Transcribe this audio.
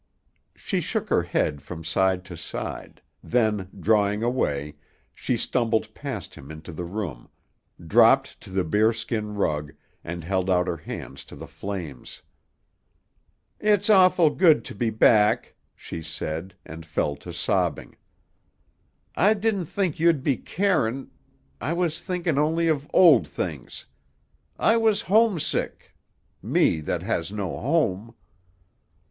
She shook her head from side to side, then, drawing away, she stumbled past him into the room, dropped to the bearskin rug, and held out her hands to the flames. "It's awful good to be back," she said, and fell to sobbing. "I didn't think you'd be carin' I was thinkin' only of old things. I was homesick me that has no home."